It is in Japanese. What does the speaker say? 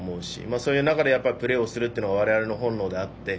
そういう中でプレーをするのは我々の本能であって。